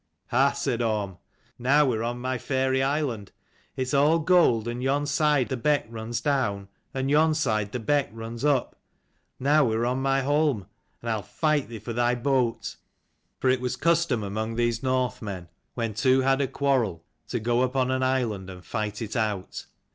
"Ha!" said Orm, "now we are on my fairy island. It is all gold, and yon side the beck runs down, and yon side the beck runs up. Now we are on my holm, and I will fight thee for thy boat." For it was a custom among these Northmen ii when two had a quarrel to go upon an island and fight it out.